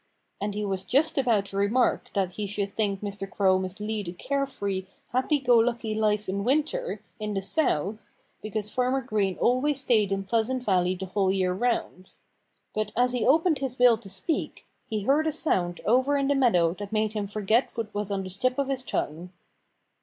And he was just about to remark that he should think Mr. Crow must lead a care free, happy go lucky life in winter, in the South, because Farmer Green always stayed in Pleasant Valley the whole year round. But as he opened his bill to speak he heard a sound over in the meadow that made him forget what was on the tip of his tongue.